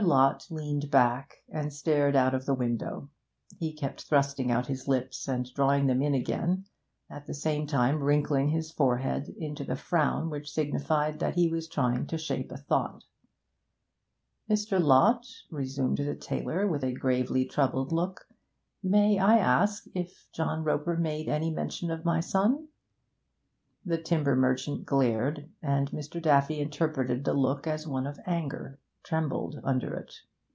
Lott leaned back and stared out of the window. He kept thrusting out his lips and drawing them in again, at the same time wrinkling his forehead into the frown which signified that he was trying to shape a thought. 'Mr. Lott,' resumed the tailor, with a gravely troubled look, 'may I ask if John Roper made any mention of my son?' The timber merchant glared, and Mr. Daffy, interpreting the look as one of anger, trembled under it.